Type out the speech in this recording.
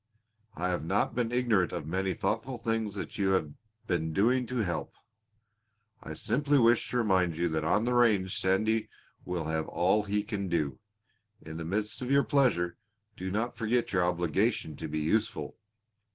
I have not been ignorant of many thoughtful things that you have been doing to help. I simply wish to remind you that on the range Sandy will have all he can do. In the midst of your pleasure do not forget your obligation to be useful.